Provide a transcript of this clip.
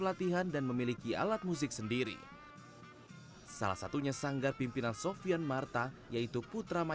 latihan dan memiliki alat musik sendiri salah satunya sanggar pimpinan sofian marta yaitu putra